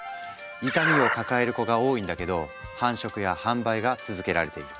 痛みを抱える子が多いんだけど繁殖や販売が続けられている。